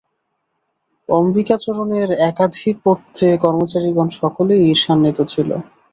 অম্বিকাচরণের একাধিপত্যে কর্মচারিগণ সকলেই ঈর্ষান্বিত ছিল।